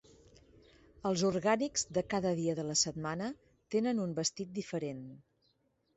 Els orgànics de cada dia de la setmana tenen un vestit diferent.